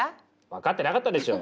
分かってなかったでしょ！